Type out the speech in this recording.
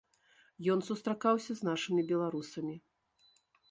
Ён сустракаўся з нашымі беларусамі.